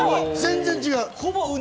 全然違う。